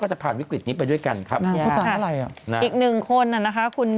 จะผ่านวิกฤตนี้ไปด้วยกันครับอีกหนึ่งคนน่ะนะคะคุณ